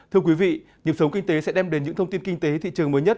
thưa quý vị nhiệm sống kinh tế sẽ đem đến những thông tin kinh tế thị trường mới nhất